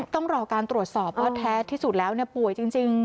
ต้องรอการตรวจสอบว่าแท้ที่สุดแล้วป่วยจริง